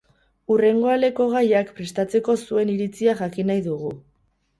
Hurrengo aleko gaiak prestatzeko zuen iritzia jakin nahi dugu.